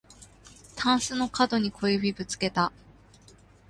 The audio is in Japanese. たんすのかどに小指ぶつけた